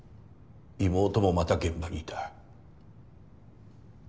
妹もまた現場にいた。